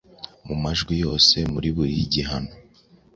Mu majwi yose, muri buri gihano,